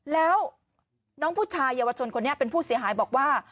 แล้วน้องผู้ชายเยาวชนคนนี้เป็นผู้เสียหายบอกว่า